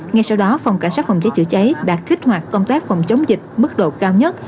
ngay sau đó phòng cảnh sát phòng cháy chữa cháy đã kích hoạt công tác phòng chống dịch mức độ cao nhất